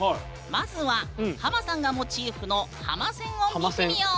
まずはハマさんがモチーフのハマ線を見てみよう。